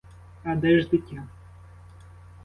А де ж дитя?